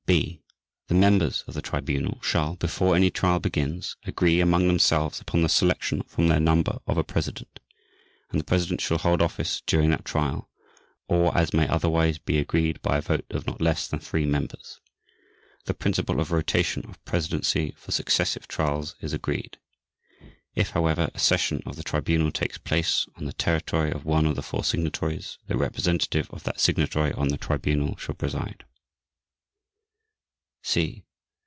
(b) The members of the Tribunal shall, before any trial begins, agree among themselves upon the selection from their number of a President, and the President shall hold office during that trial, or as may otherwise be agreed by a vote of not less than three members. The principle of rotation of presidency for successive trials is agreed. If, however, a session of the Tribunal takes place on the territory of one of the four Signatories, the representative of that Signatory on the Tribunal shall preside.